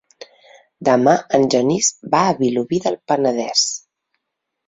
Demà en Genís va a Vilobí del Penedès.